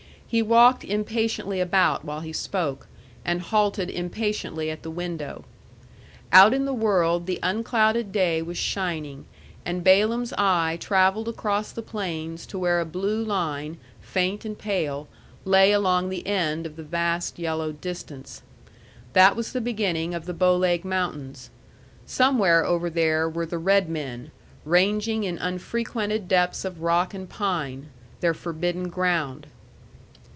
He walked impatiently about while he spoke, and halted impatiently at the window. Out in the world the unclouded day was shining, and Balaam's eye travelled across the plains to where a blue line, faint and pale, lay along the end of the vast yellow distance. That was the beginning of the Bow Leg Mountains. Somewhere over there were the red men, ranging in unfrequented depths of rock and pine their forbidden ground.